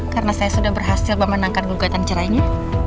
karena saya sudah berhasil memenangkan gugatan cerainya